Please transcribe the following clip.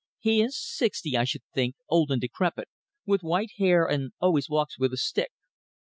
"He is sixty, I should think, old and decrepit, with white hair, and always walks with a stick."